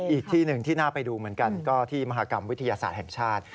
อีกที่หนึ่งที่น่าไปดูเหมือนกันก็ที่มหากรรมวิทยาศาสตร์แห่งชาติ